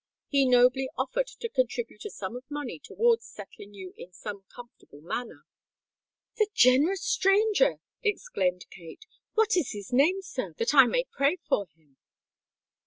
He nobly offered to contribute a sum of money towards settling you in some comfortable manner." "The generous stranger!" exclaimed Kate. "What is his name, sir—that I may pray for him?"